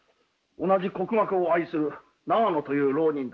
同じ国学を愛する長野という浪人だ。